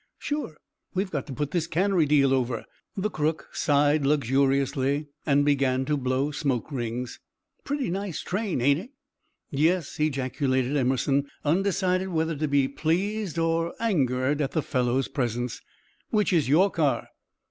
"Sure! We've got to put this cannery deal over." The crook sighed luxuriously and began to blow smoke rings. "Pretty nice train, ain't it?" "Yes," ejaculated Emerson, undecided whether to be pleased or angered at the fellow's presence. "Which is your car?"